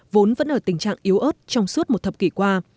vốn vẫn ở tình trạng yếu ớt trong suốt một thập kỷ qua